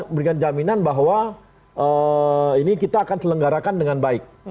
berikan jaminan bahwa ini kita akan selenggarakan dengan baik